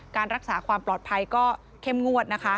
การรักษาความปลอดภัยก็เข้มงวดนะคะ